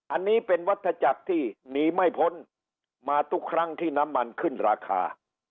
อันนี้เป็นวัตถจักรที่หนีไม่พ้นมาทุกครั้งที่น้ำมันขึ้นราคา